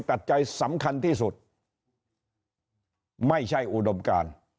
ปัจจัยสำคัญที่สุดไม่ใช่อุดมการ